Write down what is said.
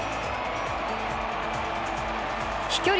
飛距離